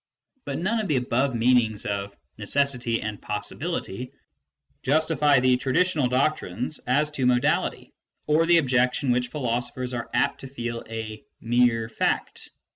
But none of the above meanings of necessity and possibility justify the traditional doctrines as to modality, or the objection which philosophers are apt to feel to a "mere fact